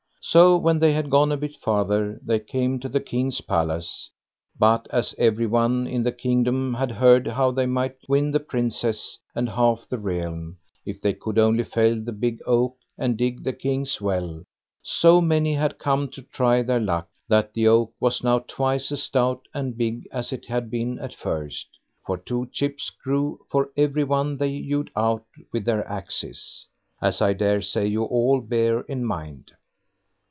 So when they had gone a bit farther, they came to the king's palace; but as every one in the kingdom had heard how they might win the Princess and half the realm, if they could only fell the big oak and dig the king's well, so many had come to try their luck that the oak was now twice as stout and big as it had been at first, for two chips grew for every one they hewed out with their axes, as I daresay you all bear in mind.